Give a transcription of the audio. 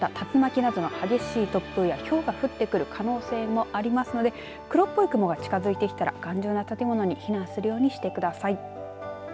また竜巻などの激しい突風やひょうが降ってくる可能性もありますので黒っぽい雲が近づいてきたら頑丈な建物に避難するようにしてください。